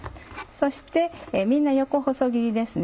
そしてみんな横細切りですね。